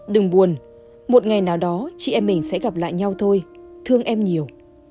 đừng buồn một ngày nào đó chị em mình sẽ gặp lại nhau thôi thương em nhiều